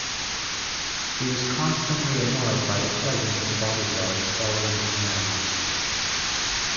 He was constantly annoyed by the presence of bodyguards following him around.